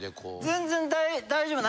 全然大丈夫。